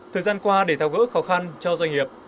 thời gian qua để thao gỡ khó khăn cho doanh nghiệp